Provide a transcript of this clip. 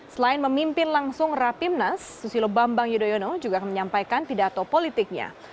selain memimpin langsung rapimnas susilo bambang yudhoyono juga menyampaikan pidato politiknya